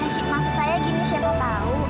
ya sih maksud saya gini siapa tau